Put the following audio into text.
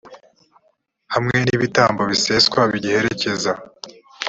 hamwe n’ibitambo biseswa bigiherekeza.